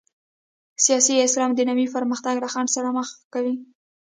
سیاسي اسلام دنیوي پرمختګ له خنډ سره مخ کوي.